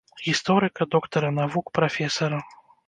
Гісторыка, доктара навук, прафесара.